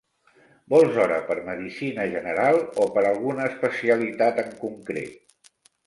Vols hora per medicina general, o per alguna especialitat en concret?